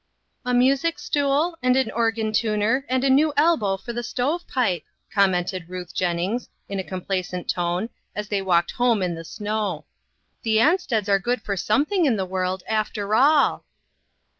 " A music stool, and an organ tuner, and a new elbow for the stove pipe," commented Ruth Jennings, in a complacent tone, as they walked home in the snow. " The An steds are good for something in the world, after all."